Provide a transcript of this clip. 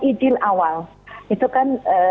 idil awal itu kan